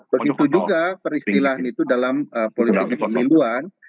begitu juga peristilahnya itu dalam politik peminduan